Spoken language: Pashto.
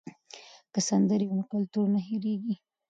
که سندرې وي نو کلتور نه هېریږي.